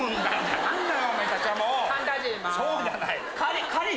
何だよ？